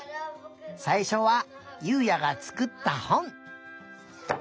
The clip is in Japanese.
さいしょはゆうやがつくったほん。